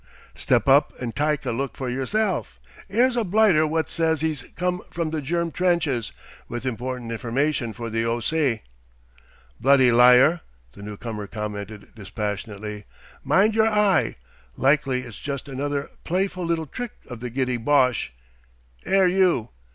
"Step up and tike a look for yerself. 'Ere's a blighter wot sez 'e's com from the Germ trenches with important information for the O.C." "Bloody liar," the newcomer commented dispassionately. "Mind yer eye. Likely it's just another pl'yful little trick of the giddy Boche. 'Ere you!"